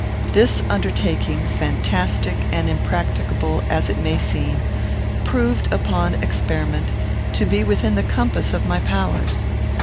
This undertaking, fantastic and impracticable as it may seem, proved, upon experiment, to be within the compass of my powers.